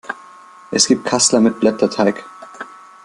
Es gibt Kassler mit Blätterteig.